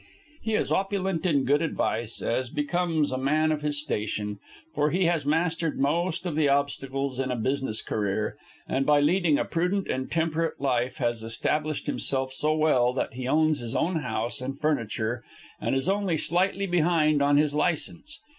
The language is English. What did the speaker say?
He is opulent in good advice, as becomes a man of his station; for he has mastered most of the obstacles in a business career, and by leading a prudent and temperate life has established himself so well that he owns his own house and furniture, and is only slightly behind on his license.